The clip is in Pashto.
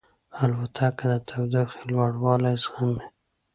الوتکه د تودوخې لوړوالی زغمي.